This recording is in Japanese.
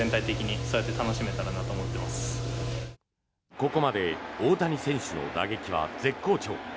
ここまで大谷選手の打撃は絶好調。